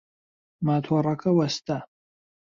ماتۆڕەکە وەستا.